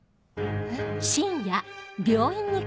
えっ。